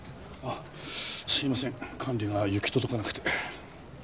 あっすいません管理が行き届かなくて。